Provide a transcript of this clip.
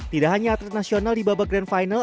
tidak hanya atlet nasional di babak grand final